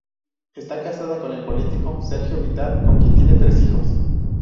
Está casada con el político Sergio Bitar, con quien tiene tres hijos.